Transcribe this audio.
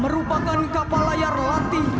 merupakan kapal layar latih